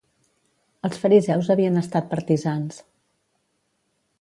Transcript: Els fariseus havien estat partisans.